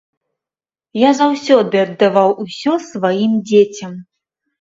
Я заўсёды аддаваў усё сваім дзецям.